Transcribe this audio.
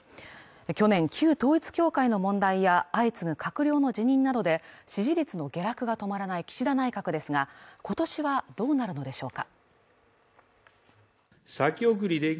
去年、旧統一教会の問題や相次ぐ閣僚の辞任などで支持率の下落が止まらない岸田内閣ですが、今年はどうなるのでしょうか。